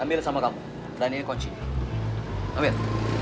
ambil sama kamu dan ini kunci ambil